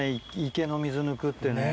池の水抜くってね。